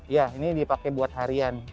ya ini dipakai buat harian